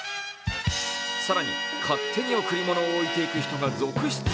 更に、勝手に贈り物を置いていく人が続出。